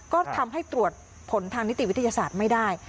ก็ทำให้ตรวจผลทางนิติวิทยาศาสตร์ไม่ได้